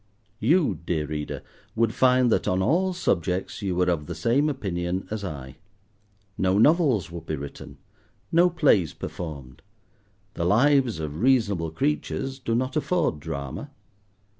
You, dear Reader, would find, that on all subjects you were of the same opinion as I. No novels would be written, no plays performed; the lives of reasonable creatures do not afford drama.